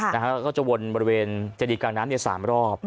ค่ะนะฮะก็จะวนบริเวณเจดีการน้ำเนี้ยสามรอบ